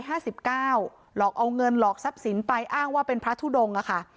หลอกเอาเงินหลอกทรัพย์สินไปอ้างว่าเป็นพระทุดงอะค่ะ